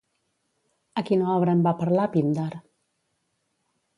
A quina obra en va parlar Píndar?